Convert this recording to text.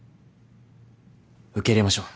受け入れましょう。